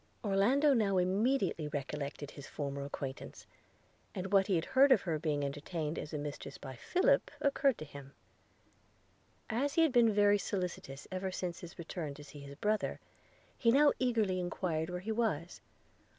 Orlando now immediately recollected his former acquaintance, and what he had heard of her being entertained as a mistress by Philip occurred to him: as he had been very solicitous ever since his return to see his brother, he now eagerly enquired where he was.